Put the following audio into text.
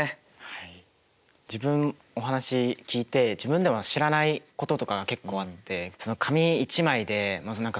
自分お話聞いて自分でも知らないこととかが結構あって。